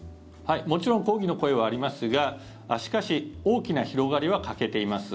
もちろん抗議の声はありますがしかし、大きな広がりは欠けています。